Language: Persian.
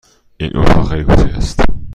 این اتاق خیلی کوچک است.